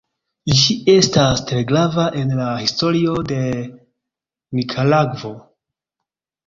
Ĝi estas tre grava en la historio de Nikaragvo.